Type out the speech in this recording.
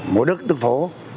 mộ đức đức phổ